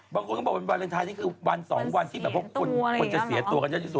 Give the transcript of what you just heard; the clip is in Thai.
บางคนก็บอกว่าวาเลนทรายนี่คือวันสองวันที่แบบพวกคุณจะเสียตัวกันที่สุด